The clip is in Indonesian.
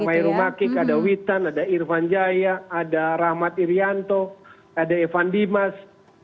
ada ramai rumakik ada witan ada irvan jaya ada rahmat irianto ada evan dimas